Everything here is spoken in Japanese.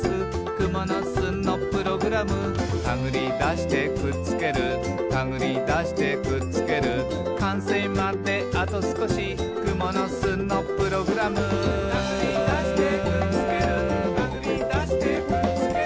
「くものすのプログラム」「たぐりだしてくっつけるたぐりだしてくっつける」「かんせいまであとすこしくものすのプログラム」「たぐりだしてくっつけるたぐりだしてくっつける」